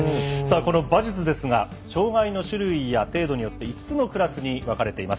この馬術ですが障がいの種類や程度によって５つのクラスに分かれています。